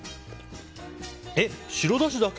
えっ、白だしだけ？